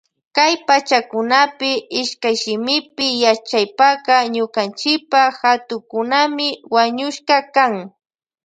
Kay pachakunapi ishkayshimipi yachaypaka ñukanchipa hatukukunami wañushka kan.